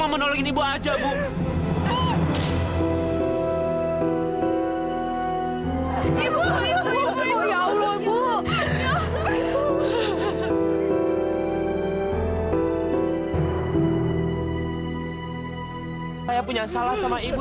maafkan saya ibu kalau emang keluarga saya punya salah sama ibu